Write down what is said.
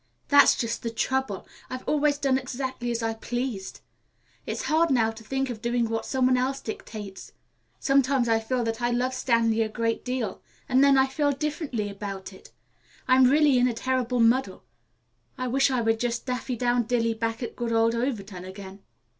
That's just the trouble. I've always done exactly as I pleased. It's hard now to think of doing what some one else dictates. Sometimes I feel that I love Stanley a great deal; then again I feel differently about it. I'm really in a terrible muddle. I wish I were just Daffydowndilly back at good old Overton again."